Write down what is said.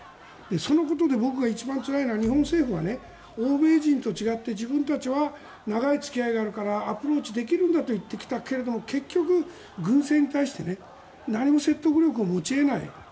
そのことで僕が一番つらいのが日本政府は欧米人と違って自分たちは長い付き合いがあるからアプローチできるんだと言ってきたけれども結局、軍政に対して何も説得力を持ち得ない。